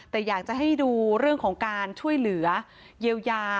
แต่อยากจะให้ดูเรื่องของการช่วยเหลือเยียวยา